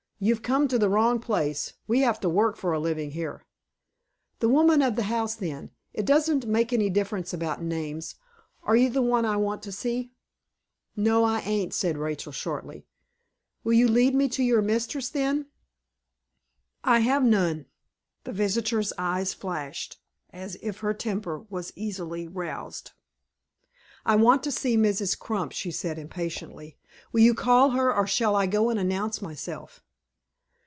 "You've come to the wrong place. We have to work for a living here." "The woman of the house, then. It doesn't make any difference about names. Are you the one I want to see?" "No, I ain't," said Rachel, shortly. "Will you lead me to your mistress, then?" "I have none." The visitor's eyes flashed, as if her temper was easily roused. "I want to see Mrs. Crump," she said, impatiently. "Will you call her, or shall I go and announce myself?"